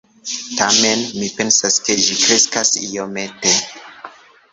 Tamen, mi pensas, ke ĝi kreskas iomete